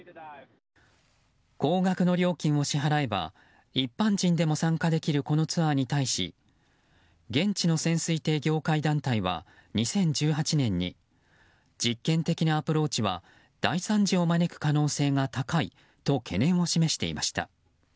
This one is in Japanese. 高額の料金を支払えば一般人でも参加できるこのツアーに対し現地の潜水艇業界団体は２０１８年に実験的なアプローチは大惨事を招く可能性が高いと懸念を示していました。